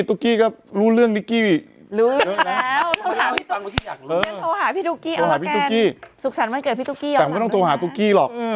ตุ๊กกี้ก็รู้เรื่องตุ๊กกี้